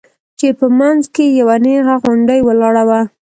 چې په منځ کښې يې يوه نيغه غونډۍ ولاړه وه.